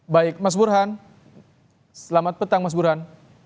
baik mas burhan selamat petang mas burhan